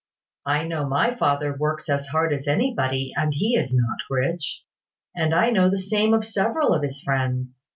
I know my father works as hard as anybody, and he is not rich; and I know the same of several of his friends.